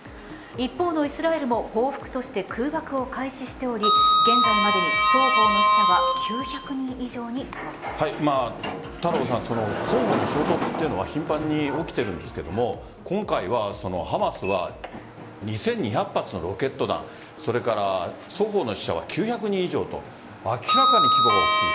一方のイスラエルも報復として空爆を開始しており現在までに双方の死者は太郎さん双方の衝突というのは頻繁に起きているんですけど今回、ハマスは２２００発のロケット弾双方の死者９００人以上と明らかに規模が大きい。